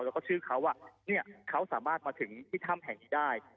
แล้วก็ชื่อเขาเขาสามารถมาถึงที่ถ้ำแห่งนี้ได้